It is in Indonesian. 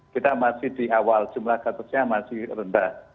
kita masih di awal jumlah kasusnya masih rendah